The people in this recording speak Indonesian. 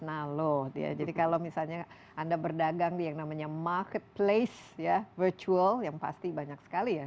nah load ya jadi kalau misalnya anda berdagang di yang namanya marketplace ya virtual yang pasti banyak sekali ya